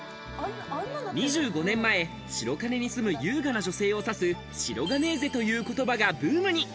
２５年前、白金に住む優雅な女性を指すシロガネーゼという言葉がブームに。